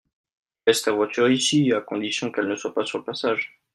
Laisse ta voiture ici à condition qu'elle ne soit pas sur le passage.